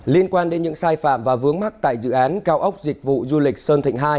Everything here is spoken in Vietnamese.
liên quan đến những sai phạm và vướng mắt tại dự án cao ốc dịch vụ du lịch sơn thịnh hai